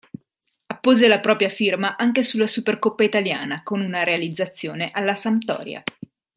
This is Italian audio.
Appose la propria firma anche sulla Supercoppa italiana, con una realizzazione alla Sampdoria.